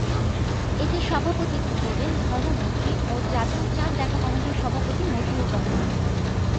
এতে সভাপতিত্ব করবেন ধর্মমন্ত্রী ও জাতীয় চাঁদ দেখা কমিটির সভাপতি মতিউর রহমান।